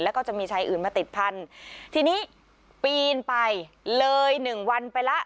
แล้วก็จะมีชายอื่นมาติดพันธุ์ทีนี้ปีนไปเลยหนึ่งวันไปแล้ว